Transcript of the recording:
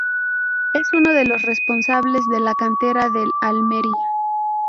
Es uno de los responsables de la cantera del Almería.